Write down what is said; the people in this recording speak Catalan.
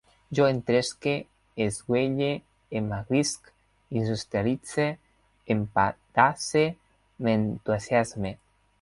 Jo entresque, esguelle, emmagrisc, industrialitze, espedace, m'entusiasme